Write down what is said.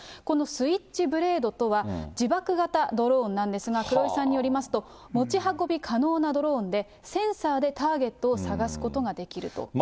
このスイッチブレードとは、自爆型ドローンなんですが、黒井さんによりますと、持ち運び可能なドローンで、センサーでターゲットを探すことができると。